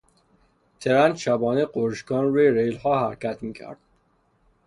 ترن شبانه غرش کنان روی ریلها حرکت میکرد.